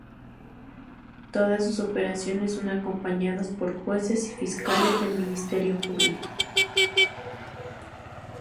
Todas sus operaciones son acompañadas por jueces y fiscales del Ministerio Público.